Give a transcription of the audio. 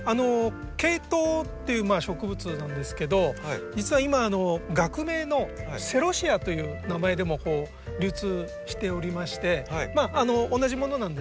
ケイトウっていう植物なんですけど実は今学名の「セロシア」という名前でも流通しておりまして同じものなんですけど。